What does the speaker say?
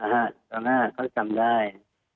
อ่าฮะตอนหน้าเขาจำได้